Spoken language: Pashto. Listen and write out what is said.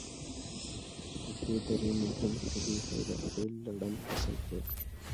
د دې درې مهم کلي حیدرخیل، لړم، حسن خیل.